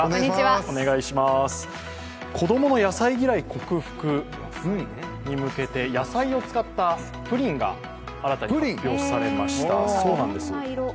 子供の野菜嫌い克服に向けて野菜を使ったプリンが新たに発表されました。